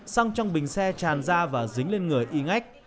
xăng trong bình xe tràn ra và dính lên người i ngách